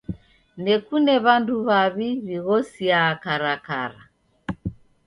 Ndekune w'andu w'aw'i w'ighosiaa karakara.